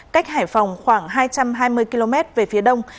cách hải phòng khoảng hai trăm hai mươi km về phía đông